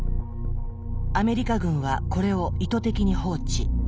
アメリカ軍はこれを意図的に放置。